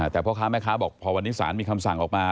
แต่พ่อค้าแม่ค้าบอกพอวันนี้ศาลมีคำสั่งออกมา